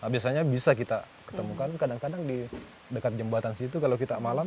biasanya bisa kita ketemukan kadang kadang di dekat jembatan situ kalau kita malam